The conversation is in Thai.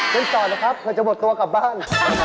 เล่นต่อหน่อยครับเพื่อจะบดตัวกลับบ้าน